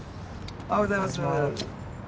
おはようございます。